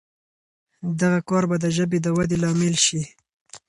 دغه کار به د ژبې د ودې لامل شي.